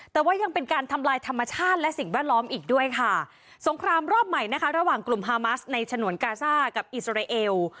แต่ว่ายังเป็นการทำลายธรรมชาติและสิ่งแวดล้อมอีกด้วยค่ะสงครามรอบใหม่นะคะระหว่างกลุ่มฮามัสในฉนวนกาซ่ากับอิสราเอล